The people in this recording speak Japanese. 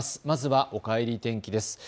まずはおかえり天気です。